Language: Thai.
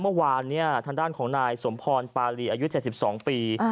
เมื่อวานทางด้านของนายสมพรปารีอายุ๗๒ปี